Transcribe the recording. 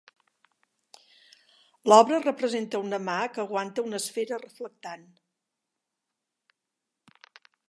L'obra representa una mà que aguanta una esfera reflectant.